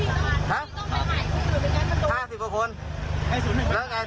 แล้วไงนัดตีกันหรือเปล่าไง